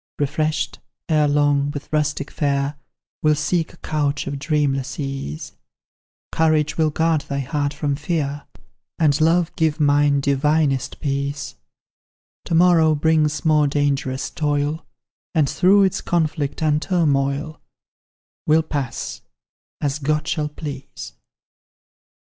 Refreshed, erelong, with rustic fare, We'll seek a couch of dreamless ease; Courage will guard thy heart from fear, And Love give mine divinest peace: To morrow brings more dangerous toil, And through its conflict and turmoil We'll pass, as God shall please.